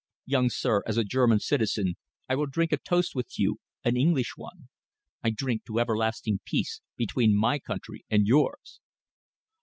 Young sir, as a German citizen, I will drink a toast with you, an English one. I drink to everlasting peace between my country and yours!"